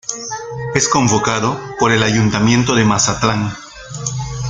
Es convocado por el ayuntamiento de Mazatlán.